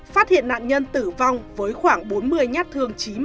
phát hiện nạn nhân tử vong với khoảng bốn mươi nhát thương chí